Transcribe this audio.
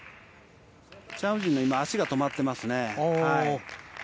チャン・ウジンの今、足が止まってますね。